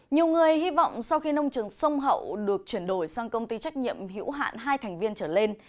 nhiều người hy vọng sau khi nông trường sông hậu được chuyển đổi sang công ty trách nhiệm hữu hạn hai thành viên trở lên